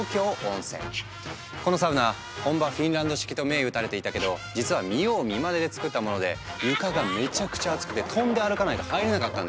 このサウナ本場フィンランド式と銘打たれていたけど実は見よう見まねで作ったもので床がめちゃくちゃアツくて跳んで歩かないと入れなかったんだって。